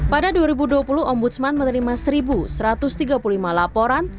pada dua ribu dua puluh ombudsman menerima satu satu ratus tiga puluh lima laporan